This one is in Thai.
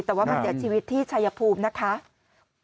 แต่ว่ามันเสียชีวิตที่ชายภูมินะคะ